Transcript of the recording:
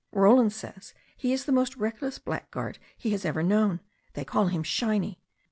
Roland says he is the most reckless blackguard he has ever known. They call him Shiny.